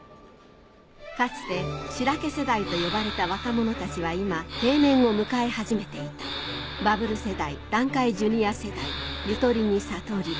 かつて「しらけ世代」と呼ばれた若者たちは今定年を迎え始めていたバブル世代団塊ジュニア世代ゆとりにさとり